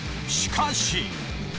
しかし。